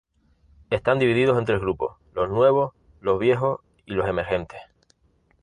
Están divididos en tres grupos: los "nuevos", los "viejos" y los "emergentes".